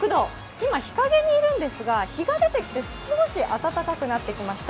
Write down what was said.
今日影にいるんですが、日が出てきて少し暖かくなってきました。